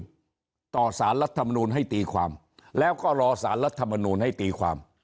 ต่อสารรัฐมนูลให้ตีความแล้วก็รอสารรัฐมนูลให้ตีความ